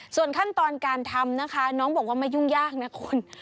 ส่วนขั้นตอนการทำนะคะน้องบอกว่าไม่ยุ่งยากนะคุณ